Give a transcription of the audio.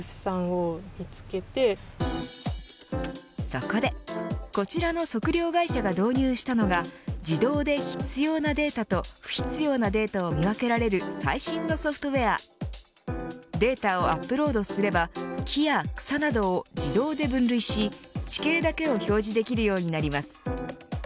そこでこちらの測量会社が導入したのが自動で必要なデータと不必要なデータを見分けられる最新のソフトウエアデータをアップロードすれば木や草などを自動で分類し、地形だけを表示できるようになります。